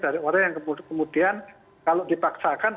dari orang yang kemudian kalau dipaksakan